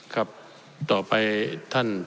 ครับต่อไปท่าน